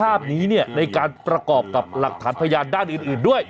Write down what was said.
ภาพนี้เนี่ยในการประกอบกับหลักฐานพยานด้านอื่นด้วย